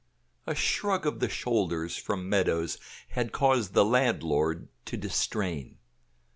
A shrug of the shoulders from Meadows had caused the landlord to distrain.